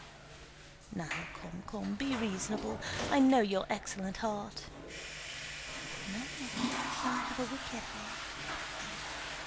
"Now come, come! Be reasonable. I know your excellent heart." "No, I have a wicked heart."